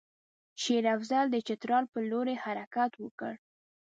شېر افضل د چترال پر لوري حرکت وکړ.